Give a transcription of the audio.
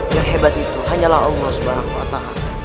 yang hebat itu hanyalah allah sebarang kota